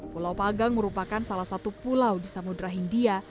pulau pagang merupakan salah satu pulau di samudera hindia